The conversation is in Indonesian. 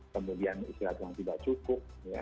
kemudian istirahat yang tidak cukup